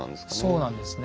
そうなんですね。